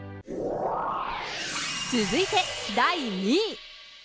続いて第２位。